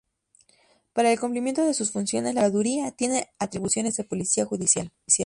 Para el cumplimiento de sus funciones la Procuraduría tiene atribuciones de Policía Judicial.